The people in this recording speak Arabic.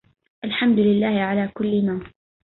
الحمد الله على كل ما